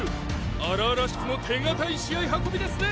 荒々しくも手堅い試合運びですね